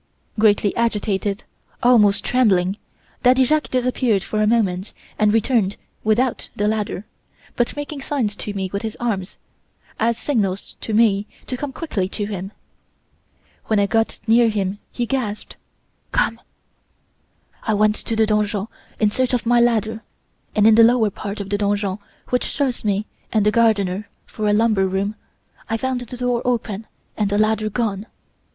"Greatly agitated, almost trembling, Daddy Jacques disappeared for a moment and returned without the ladder, but making signs to me with his arms, as signals to me to come quickly to him. When I got near him he gasped: 'Come!' "He led me round the château, past the don jon. Arrived there, he said: "'I went to the donjon in search of my ladder, and in the lower part of the donjon which serves me and the gardener for a lumber room, I found the door open and the ladder gone.